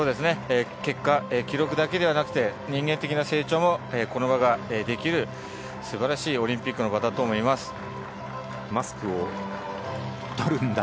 結果、記録だけではなくて人間的な成長もこの場ができる素晴らしいオリンピックの場だと思います。